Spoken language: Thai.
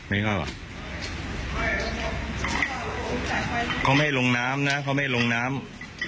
ไม่เข้าอ่ะเขาไม่ให้ลงน้ำนะเขาไม่ลงน้ำ